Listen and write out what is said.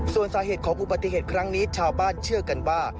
ส่วนสาเหตุของอุบัติเหตุครั้งนี้ชาวบ้านเชื่อกันว่า